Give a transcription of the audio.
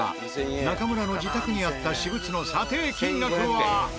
中村の自宅にあった私物の査定金額は？